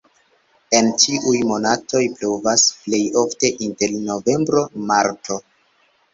En ĉiuj monatoj pluvas, plej ofte inter novembro-marto.